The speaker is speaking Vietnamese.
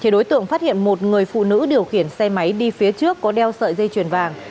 đối tượng phát hiện một người phụ nữ điều khiển xe máy đi phía trước có đeo sợi dây chuyền vàng